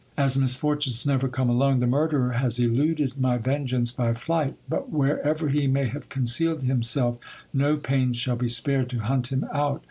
As misfortunes never come alone, the murderer has eluded my vengeance by [64 GIL BLAS. flight, but wherever he may have concealed himself, no pains shall be spared to hunt him out.